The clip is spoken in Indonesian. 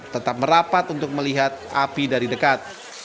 tetap merapat untuk melihat api dari dekat